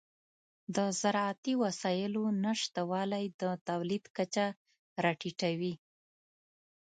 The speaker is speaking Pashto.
د زراعتي وسایلو نشتوالی د تولید کچه راټیټوي.